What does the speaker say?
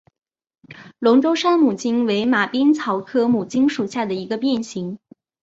龙州山牡荆为马鞭草科牡荆属下的一个变型。